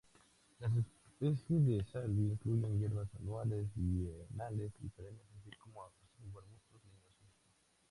Las especies de "Salvia" incluyen hierbas anuales, bienales y perennes, así como subarbustos leñosos.